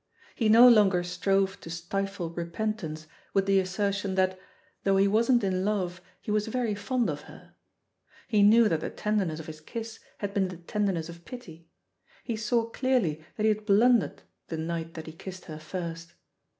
He no longer strove to stifle repentance with the assertion that "though he wasn't in love, he was yery fond of her." He knew that the tenderness of his kiss had been the tenderness of pity; he saw clearly that he had blundered the night that he kissed her first.